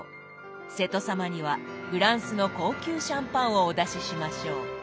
瀬戸様にはフランスの高級シャンパンをお出ししましょう。